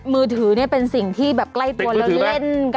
มือถือเป็นสิ่งที่แบบใกล้ตัวแล้วเล่นกันตลอด